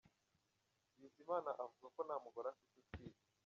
Bizimana avuga ko nta mugore afite utwite .